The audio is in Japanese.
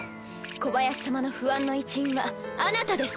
コバヤシ様の不安の一因はあなたです。